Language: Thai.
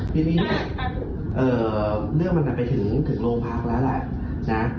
ทีนี้เนี่ยเรื่องมันไปถึงโรงพักษณ์แล้วแหละ